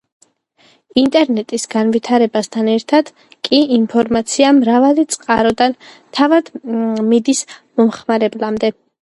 ინტერნეტის განვითარებასთან ერთად კი ინფორმაცია მრავალი წყაროდან თავად მიდის მომხმარებლამდე